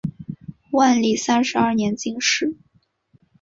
万历三十二年进士。